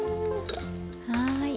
はい。